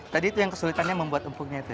tadi itu yang kesulitannya membuat empuknya itu